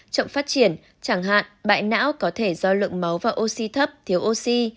chậm phát triển chẳng hạn bại não có thể do lượng máu và oxy thấp thiếu oxy